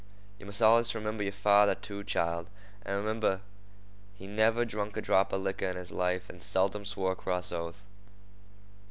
"Yeh must allus remember yer father, too, child, an' remember he never drunk a drop of licker in his life, and seldom swore a cross oath.